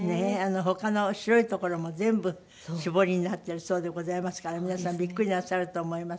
他の白い所も全部絞りになってるそうでございますから皆さんビックリなさると思います。